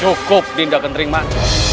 cukup dinda kendringman